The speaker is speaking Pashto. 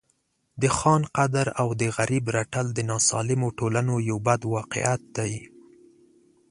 د خان قدر او د غریب رټل د ناسالمو ټولنو یو بد واقعیت دی.